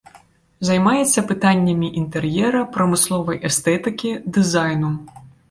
Займаецца пытаннямі інтэр'ера, прамысловай эстэтыкі, дызайну.